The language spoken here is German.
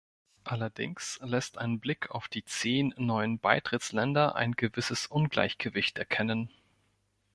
Allerdings lässt ein Blick auf die zehn neuen Beitrittsländer ein gewisses Ungleichgewicht erkennen.